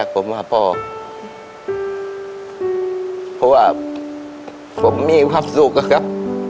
เพราะว่าผมมีความสุขครับ